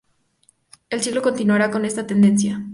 El siglo continuará con esta tendencia.